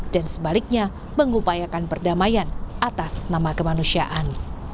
dan sebaliknya mengupayakan perdamaian atas nama kemanusiaan